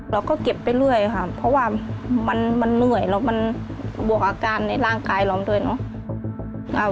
เราก็เก็บไปเรื่อยค่ะเพราะว่ามันเหนื่อยแล้วมันบวกอาการในร่างกายเราด้วยเนาะ